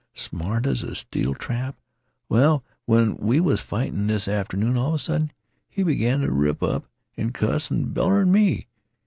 Smart as a steel trap. Well, when we was a fightin' this atternoon, all of a sudden he begin t' rip up an' cuss an' beller at me.